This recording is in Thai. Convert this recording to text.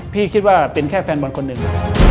คิดว่าเป็นแค่แฟนบอลคนหนึ่ง